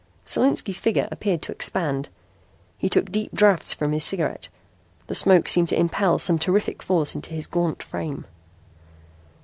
Solinski's figure appeared to expand. He took deep drafts from his cigarette. The smoke seemed to impel some terrific force into his gaunt frame.